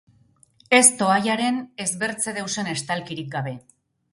Ez toallaren ez bertze deusen estalkirik gabe.